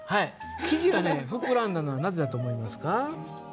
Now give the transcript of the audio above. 生地が膨らんだのはなぜだと思いますか？